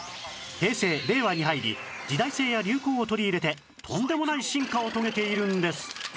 平成・令和に入り時代性や流行を取り入れてとんでもない進化を遂げているんです